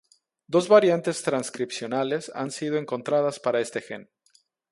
Dos variantes transcripcionales han sido encontradas para este gen.